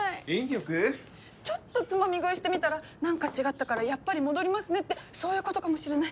ちょっとつまみ食いしてみたら何か違ったからやっぱり戻りますねってそういうことかもしれない。